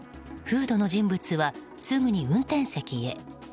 フードの人物はすぐに運転席へ。